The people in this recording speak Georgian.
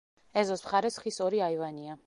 ეზოს მხარეს ხის ორი აივანია.